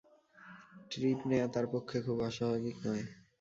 Trip নেওয়া তার পক্ষে খুব অস্বাভাবিক নয়।